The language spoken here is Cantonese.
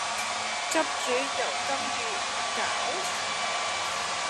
汁煮油甘魚鮫